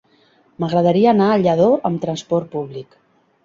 M'agradaria anar a Lladó amb trasport públic.